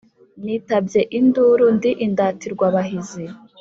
Nitabye induru ndi Indatirwabahizi